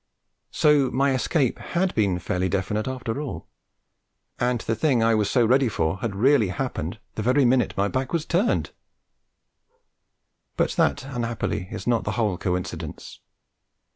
So my escape had been fairly definite after all, and the thing I was so ready for had really happened 'the very minute' my back was turned! But that, unhappily, is not the whole coincidence.